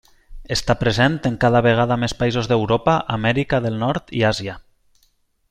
Està present en cada vegada més països d'Europa, Amèrica del Nord i Àsia.